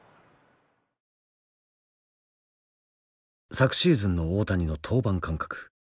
昨シーズンの大谷の登板間隔。